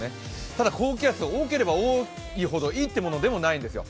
ただ、高気圧、多ければ多いほどいいってものでもないんですよ。